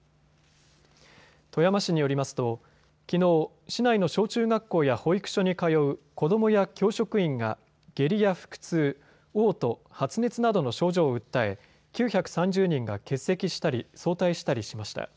富山市によりますときのう市内の小中学校や保育所に通う子どもや教職員が下痢や腹痛、おう吐、発熱などの症状を訴え９３０人が欠席したり、早退したりしました。